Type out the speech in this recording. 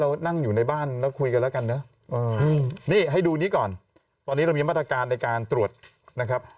คุณหนูเหล่าร่อมากค่ะคุณพ่อหล่อมากค่ะ